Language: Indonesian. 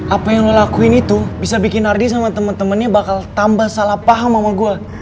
apa yang ngelakuin itu bisa bikin ardi sama temen temennya bakal tambah salah paham sama gue